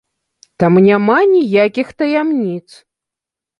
Там няма ніякіх таямніц!